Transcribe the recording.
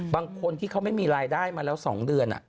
บางคนที่เขาไม่มีรายได้มาแล้ว๒เดือน